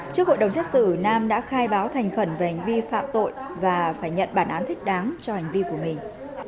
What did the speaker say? trước hội đồng xét xử nam đã khai báo thành khẩn về hành vi phạm tội và phải nhận bản án thích đáng cho hành vi của mình